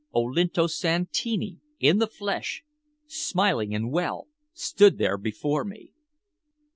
Olinto Santini in the flesh, smiling and well, stood there before me!